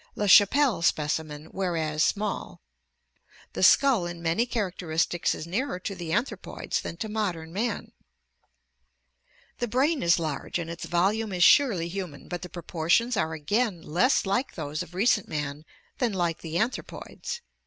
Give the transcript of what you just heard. La Chapelle specimen, whereas (Alter Wood™*) fa those rf gpy ^^^^ small. The skull in many characteristics is nearer to the anthro poids than to modern man. The brain is large and its volume is surely human, but the propor tions are again less like those of recent man than like the anthro poids.